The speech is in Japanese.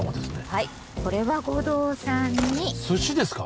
はいこれは護道さんに寿司ですか！？